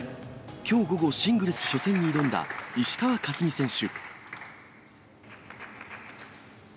きょう午後、シングルス初戦に挑んだ石川佳純選手。